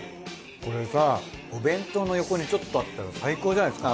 これさお弁当の横にちょっとあったら最高じゃないっすか？